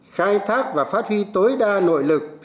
khai thác và phát huy tối đa nội lực